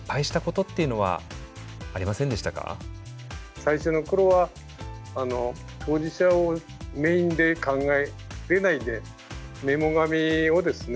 最初の頃は当事者をメインで考えれないでメモ紙をですね